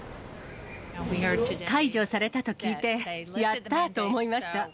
解除されたと聞いて、やったーと思いました。